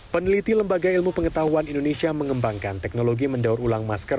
peneliti lembaga ilmu pengetahuan indonesia mengembangkan teknologi mendaur ulang masker